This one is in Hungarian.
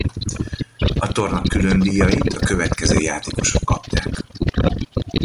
A torna különdíjait a következő játékosok kapták.